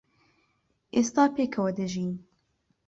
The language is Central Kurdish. ئێستا پێکەوە دەژین.